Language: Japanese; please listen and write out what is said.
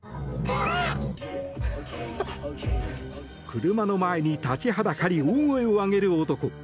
車の前に立ちはだかり大声を上げる男。